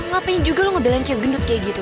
ngapain juga lo ngebalance yang gendut kayak gitu